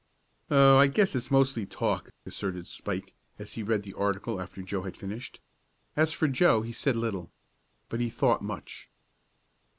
"Oh, I guess it's mostly talk," asserted Spike, as he read the article after Joe had finished. As for Joe he said little. But he thought much.